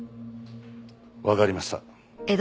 わかりました。